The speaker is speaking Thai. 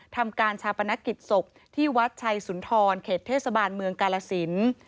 ทำการชาปนกิจศพที่วัดชัยสุนทรเขตเทศบาลเมืองกาลสิน